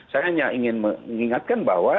saya hanya ingin mengingatkan bahwa